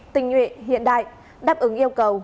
tình nguyện hiện đại đáp ứng yêu cầu